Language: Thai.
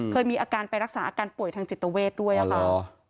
เคยมีอาการไปรักษาอาการป่วยทางจิตเวทด้วยค่ะ